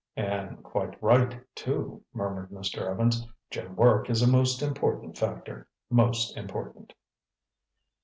"And quite right, too," murmured Mr. Evans. "Jim's work is a most important factor—most important."